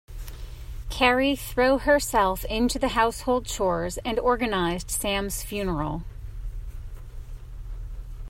Carrie throw herself into the household chores and organised Sam's funeral.